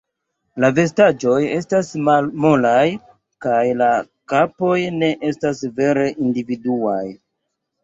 La vestaĵoj estas molaj kaj la kapoj ne estas vere individuaj.